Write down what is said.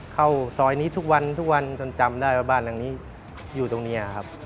เข้าซอยนี้ทุกวันจนจำได้ว่าบ้านอยู่ตรงนี้ครับ